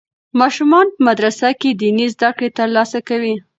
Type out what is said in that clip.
ماشومان په مدرسه کې دیني زده کړې ترلاسه کوي.